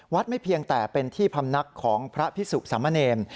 วัดไม่เพียงแต่เป็นที่พรรมนักของพระพิสุสมเนม